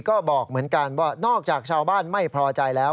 ก็บอกเหมือนกันว่านอกจากชาวบ้านไม่พอใจแล้ว